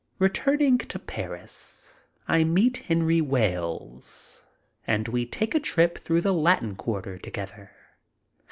Returning to Paris, I meet Henry Wales, and we take a trip through the Latin Quarter together.